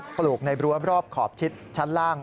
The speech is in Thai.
ปลูกในรั้วรอบขอบชิดชั้นล่าง